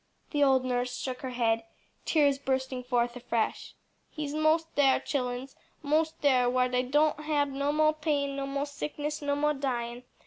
The old nurse shook her head, tears bursting forth afresh. "He's mos' dar, chillens, mos' dar, whar dey don' hab no mo' pain, no mo' sickness, no mo' dyin'.